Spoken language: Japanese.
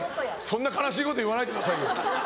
そんな悲しいこと言わないでくださいよ。